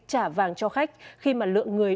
trả vàng cho khách khi mà lượng người